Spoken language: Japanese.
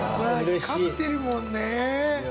光ってるもんね。